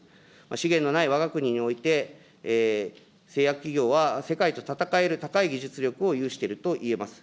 資源のないわが国において、製薬企業は世界と戦える高い技術力を有していると言えます。